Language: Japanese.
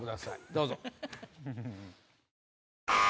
どうぞ。